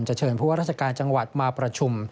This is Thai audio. เชิญผู้ว่าราชการจังหวัดมาประชุม